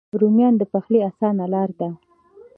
رومیان د پخلي آسانه لاره ده